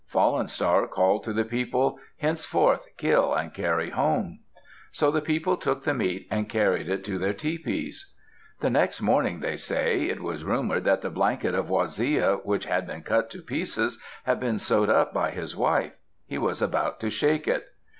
Fallen Star called to the people, "Henceforth kill and carry home." So the people took the meat and carried it to their tepees. The next morning, they say, it was rumored that the blanket of Waziya, which had been cut to pieces, had been sewed up by his wife. He was about to shake it.